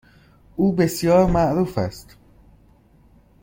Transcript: او بسیار معروف است.